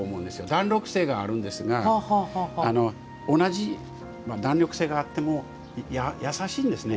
弾力性があるんですが同じ弾力性があっても優しいんですね。